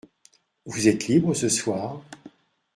Vous êtes libre ce soir ?